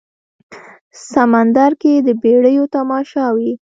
سمندر کې د بیړیو تماشا وي